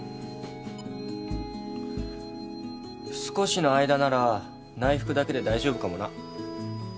少しの間なら内服だけで大丈夫かもな。